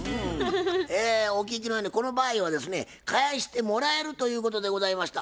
えお聞きのようにこの場合はですね返してもらえるということでございました。